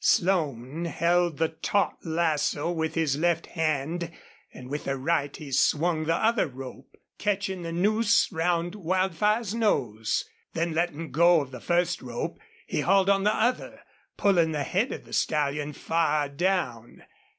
Slone held the taut lasso with his left hand, and with the right he swung the other rope, catching the noose round Wildfire's nose. Then letting go of the first rope he hauled on the other, pulling the head of the stallion far down.